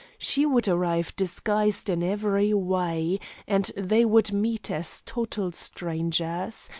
She would arrive disguised in every way, and they would meet as total strangers.